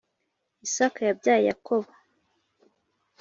Isaka yabyaye Yakobo,